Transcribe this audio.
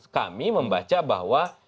kami membaca bahwa